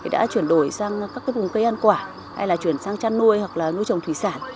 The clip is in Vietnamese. đã chuyển đổi sang các vùng cây ăn quả hay là chuyển sang chăn nuôi hoặc là nuôi trồng thủy sản